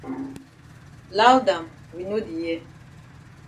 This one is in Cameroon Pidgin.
Loud am we no di hear.